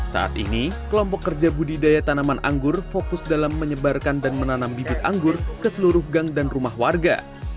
saat ini kelompok kerja budidaya tanaman anggur fokus dalam menyebarkan dan menanam bibit anggur ke seluruh gang dan rumah warga